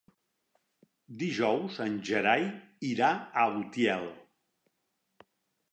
Dijous en Gerai irà a Utiel.